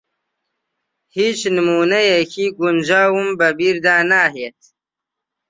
ھیچ نموونەیەکی گونجاوم بە بیردا ناھێت.